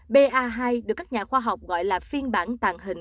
phiên bản mới của biến thể omicron ba hai được các nhà khoa học gọi là phiên bản tàng hình